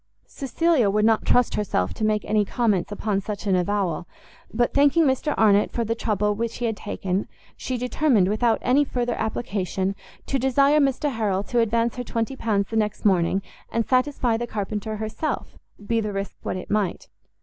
Cecilia would not trust herself to make any comments upon such an avowal, but thanking Mr Arnott for the trouble which he had taken, she determined, without any further application, to desire Mr Harrel to advance her 20 pounds the next morning, and satisfy the carpenter herself, be the risk what it might.